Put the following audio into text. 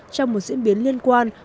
trong một diễn biến liên quan